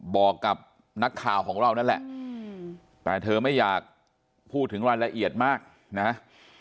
บอกกับนักข่าวของเรานั่นแหละแต่เธอไม่อยากพูดถึงรายละเอียดมากนะ